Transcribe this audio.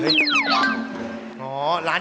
เรียบร้อยล่ะครับ